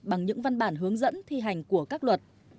bằng những văn bản hướng dẫn thi hành của các luật